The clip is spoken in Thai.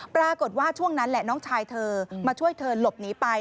ปรากฏว่าช่วงนั้นแหละน้องชายเธอมาช่วยเธอหลบหนีไป